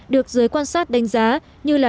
được giới quan sát đánh giá như là